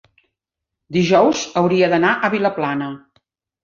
dijous hauria d'anar a Vilaplana.